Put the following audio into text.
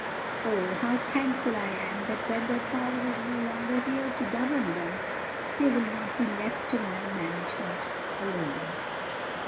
Oh, how thankful I am that when their father is no longer here to govern them, they will not be left to my management alone!"